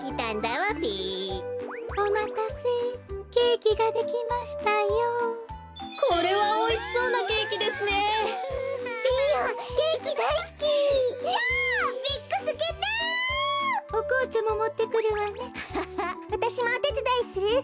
わたしもおてつだいする。